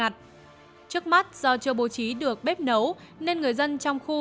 trước mắt do chưa bố trí được bếp nấu nên người dân trong khu